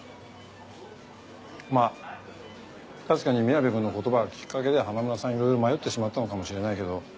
まあ確かに宮部くんの言葉がきっかけで花村さんいろいろ迷ってしまったのかもしれないけど。